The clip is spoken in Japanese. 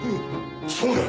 そうだよ。